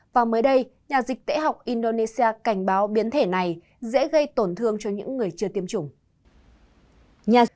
và mới đây nhà dịch tễ học indonesia cảnh báo biến thể này dễ gây tổn thương cho những người chưa chứng minh covid một mươi chín